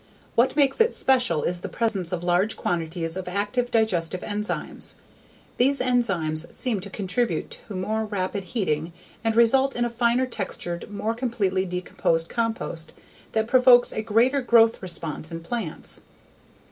What makes it special is the presence of large quantities of active digestive enzymes. These enzymes seem to contribute to more rapid heating and result in a finer textured, more completely decomposed compost that provokes a greater growth response in plants.